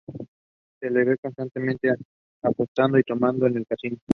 Se le ve constantemente apostando y tomando en el Casino.